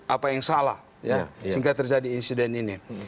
apa yang salah ya sehingga terjadi insiden ini